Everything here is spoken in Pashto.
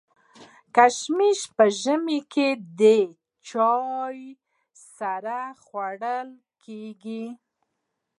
کشمش په ژمي کي د چايو سره خوړل کيږي.